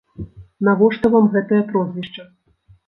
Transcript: Навошта вам гэтае прозвішча?